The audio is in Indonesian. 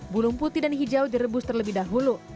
bulung putih dan hijau direbus terlebih dahulu